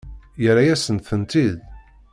Yerra-yasent-tent-id?